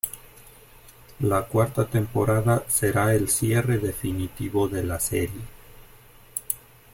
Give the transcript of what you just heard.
La cuarta temporada será el cierre definitivo de la serie.